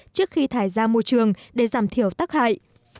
trước khi thải ra môi trường để giảm thiểu tắc hại